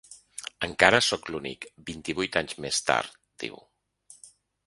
Encara sóc l’únic, vint-i-vuit anys més tard, diu.